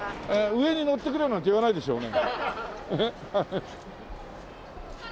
上に乗ってくれなんて言わないでしょうね？